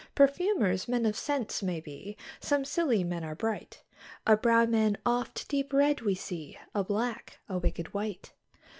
Perfumers, men of scents must be, some Scilly men are bright; A brown man oft deep read we see, a black a wicked wight.